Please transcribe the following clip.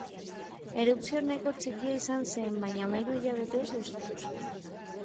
Erupzio nahiko txikia izan zen, baina hamahiru hilabetez luzatu zen.